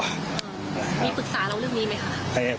มีปรึกษาเรื่องนี้ไหมครับ